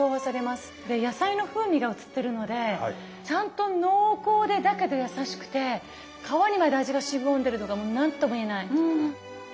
で野菜の風味が移ってるのでちゃんと濃厚でだけどやさしくて皮にまで味がしみこんでるのがもう何とも言えない。